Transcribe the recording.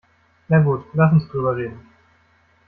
Na gut, lass uns drüber reden.